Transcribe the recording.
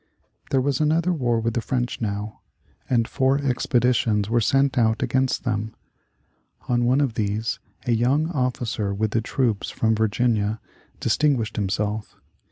There was another war with the French now, and four expeditions were sent out against them. On one of these a young officer with the troops from Virginia distinguished himself.